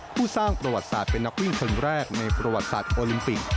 ผู้สร้างประวัติศาสตร์เป็นนักวิ่งคนแรกในประวัติศาสตร์โอลิมปิก